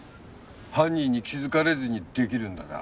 犯人に気づかれずに出来るんだな？